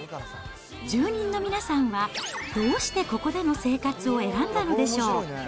住人の皆さんはどうしてここでの生活を選んだのでしょう。